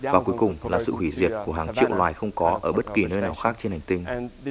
và cuối cùng là sự hủy diệt của hàng triệu loài không có ở bất kỳ nơi nào khác trên hành tinh